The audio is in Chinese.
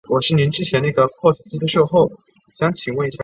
艾居埃丰德人口变化图示